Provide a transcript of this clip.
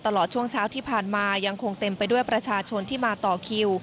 ตลอดช่วงเช้าที่ผ่านมายังคงเต็มไปด้วยประชาชนที่มาต่อคิว